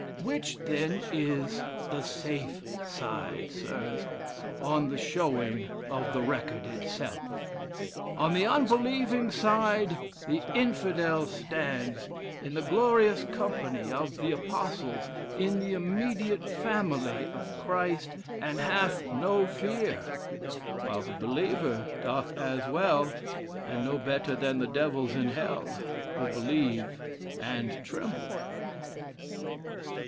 Which then is 'the safe side.' Sirs, on the showing of the record itself? On the unbelieving side, the Infidel stands in the glorious company of the Apostles, in the immediate family of Christ, and hath no fear; while the believer doth as well and no better than the devils in hell, who believe and tremble."